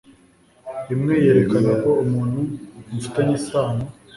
imwe yerekana ko umuntu mufitanye isano